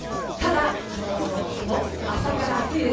ただ、今日も朝から暑いです。